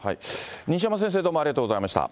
西山先生、どうもありがとうございました。